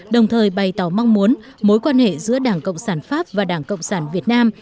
đồng thời bày tỏ mong muốn mối quan hệ giữa đảng cộng sản pháp và đảng cộng sản việt nam